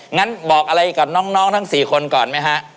งั้นบอกอะไรกับน้องทั้ง๔คนก่อนไหมฮะ